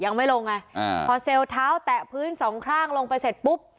ยังไม่ลงไงอ่าพอเซลล์เท้าแตะพื้นสองข้างลงไปเสร็จปุ๊บ